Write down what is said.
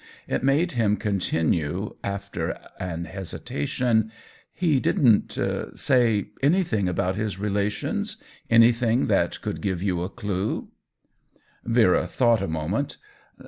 It made him continue, after an hesitation :" He didn't say anything: about his relations — anything that could give you a clew ?" 46 THE WHEEL OF TIME Vera thought a moment.